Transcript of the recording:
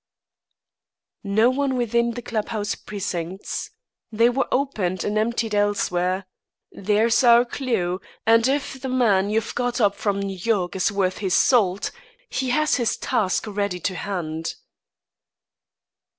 "No one within the club house precincts. They were opened and emptied elsewhere. There's our clew and if the man you've got up from New York is worth his salt, he has his task ready to hand."